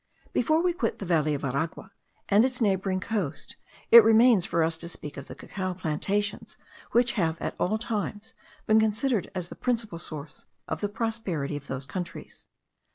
Before we quit the valley of Aragua and its neighbouring coast, it remains for us to speak of the cacao plantations, which have at all times been considered as the principal source of the prosperity of those countries.